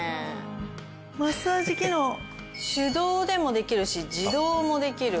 マッサージ機能手動でもできるし自動もできる。